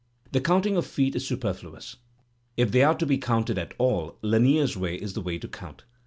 The counting of feet is superfluous. If they are to be counted at all, Lanier's way is the way to count.